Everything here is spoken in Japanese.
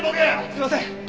すみません！